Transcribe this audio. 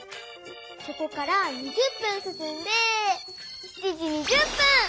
そこから２０分すすんで７時２０分！